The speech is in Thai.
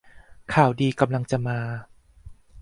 ข่าวดีกำลังจะมา